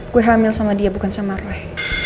gue hamil sama dia bukan sama roy